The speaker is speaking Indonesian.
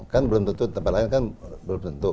kan belum tentu tempat lain kan belum tentu